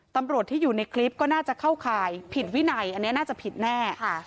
ตำรวจที่อยู่ในคลิปก็น่าจะเข้าข่ายผิดวินัยอันนี้น่าจะผิดแน่